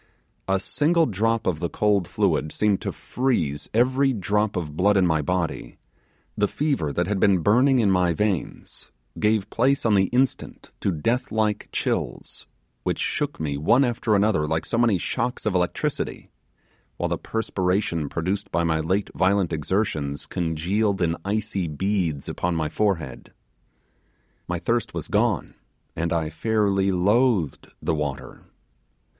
A single drop of the cold fluid seemed to freeze every drop of blood in my body; the fever that had been burning in my veins gave place on the instant to death like chills, which shook me one after another like so many shocks of electricity, while the perspiration produced by my late violent exertions congealed in icy beads upon my forehead. My thirst was gone, and I fairly loathed the water.